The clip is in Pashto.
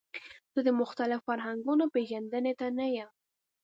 زه د مختلفو فرهنګونو پیژندنې ته نه یم.